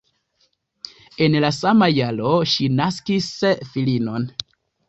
En la sama jaro ŝi naskis filinon.